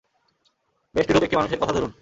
ব্যষ্টি-রূপ একটি মানুষের কথা ধরুন।